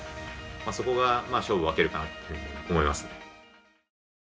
そこが勝負を分けるかなっていうふうに思いますね。